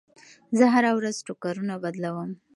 زه هره ورځ ټوکرونه بدلوم.